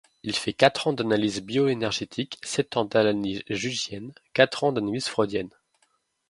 Il fait quatre ans d'analyse bioénergétique, sept ans d'analyse jungienne, quatre ans d'analyse freudienne.